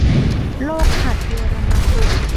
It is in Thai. โรคหัดเยอรมัน